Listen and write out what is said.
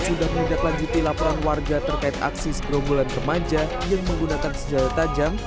sudah mengidap lanjuti laporan warga terkait aksi skrombolan kemanja yang menggunakan senjata jam